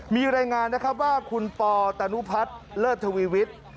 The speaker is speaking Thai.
มีรายงานนะครับว่าคุณปอตนุพัฒน์เลิศทวีวิทย์